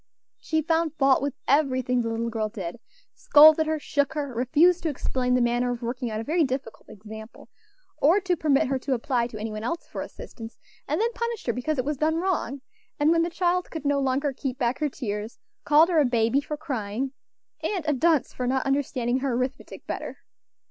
She found fault with everything the little girl did; scolded her, shook her, refused to explain the manner of working out a very difficult example, or to permit her to apply to any one else for assistance, and then punished her because it was done wrong; and when the child could no longer keep back her tears, called her a baby for crying, and a dunce for not understanding her arithmetic better.